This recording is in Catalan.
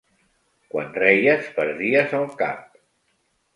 Quan reies perdies el cap.